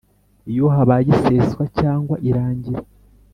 Iyo habaye iseswa cyangwa irangira